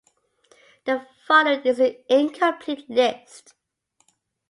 The following is an incomplete list.